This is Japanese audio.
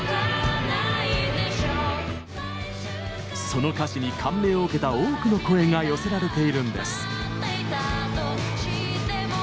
その歌詞に感銘を受けた多くの声が寄せられているんです。